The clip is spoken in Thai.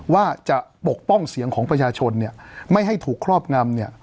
ว่าจะปกป้องเสียงของประชาชนไม่ให้ถูกครอบงำ